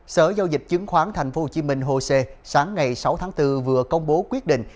sở giao dịch chứng khoán tp hcm hồ sê sáng ngày sáu tháng bốn vừa công bố quyết định